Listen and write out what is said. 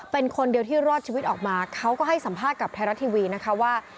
เป็นคนเดียวที่รอดชีวิตออกมาเขาก็ให้สัมภาษณ์กับไทยรัฐทีวีนะคะว่า